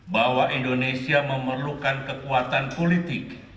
bahwa indonesia memerlukan kekuatan politik